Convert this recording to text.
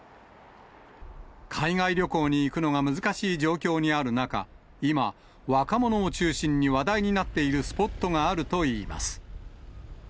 海外旅行に行くのが難しい状況にある中、今、若者を中心に話題になっているスポットがあるといいます。